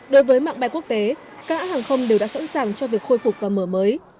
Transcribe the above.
đối với mạng bay quốc tế các hãng hàng không đều đã sẵn sàng cho việc khôi phục và mở mới